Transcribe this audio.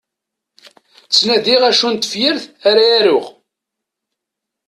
Ttnadiɣ acu n tefyirt ara aruɣ.